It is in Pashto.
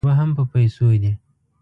اوبه هم په پیسو دي.